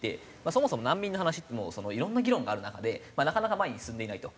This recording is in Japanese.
そもそも難民の話っていろんな議論がある中でなかなか前に進んでいないと。